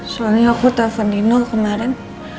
soalnya aku telpon nino kemarin